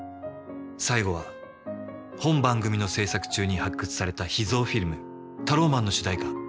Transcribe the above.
最後は本番組の制作中に発掘された秘蔵フィルムタローマンの主題歌